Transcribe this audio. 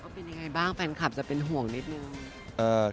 เป็นยังไงบ้างแฟนคลับจะเป็นห่วงนิดนึง